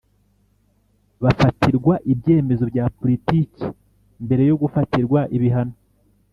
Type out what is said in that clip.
bafatirwa ibyemezo bya politiki mbere yo gufatirwa ibihano